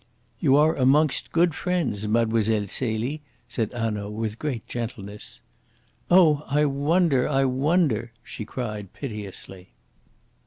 "You are amongst good friends, Mlle. Celie," said Hanaud with great gentleness. "Oh, I wonder! I wonder!" she cried piteously.